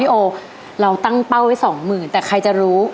โอเราตั้งเป้าไว้สองหมื่นแต่ใครจะรู้